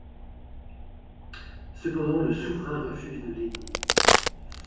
Cependant, le souverain refuse de l'aider.